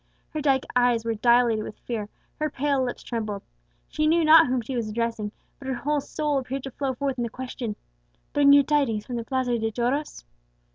Her dark eyes were dilated with fear, her pale lips trembled. She knew not whom she was addressing, but her whole soul appeared to flow forth in the question, "Bring you tidings from the Plaza de Toros?"